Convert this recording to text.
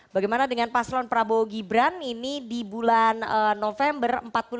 bagaimana dengan paslon prabowo gibran ini di bulan november empat puluh lima